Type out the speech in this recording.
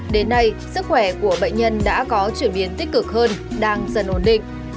đến nay sức khỏe của bệnh nhân đã có chuyển biến tích cực hơn đang dần ổn định